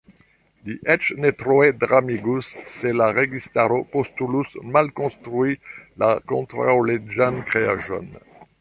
Li eĉ ne troe dramigus, se la registaro postulus malkonstrui la kontraŭleĝan kreaĵon.